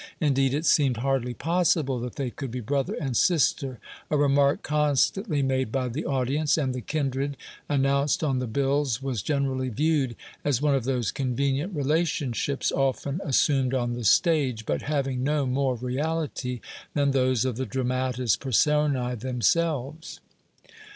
Indeed, it seemed hardly possible that they could be brother and sister, a remark constantly made by the audience, and the kindred announced on the bills was generally viewed as one of those convenient relationships often assumed on the stage, but having no more reality than those of the dramatis personæ themselves.